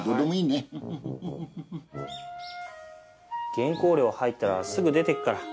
原稿料入ったらすぐ出ていくから。